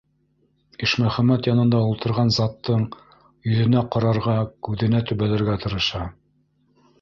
- Ишмөхәмәт янында ултырған заттың йөҙөнә ҡарарға, күҙенә төбәлергә тырыша.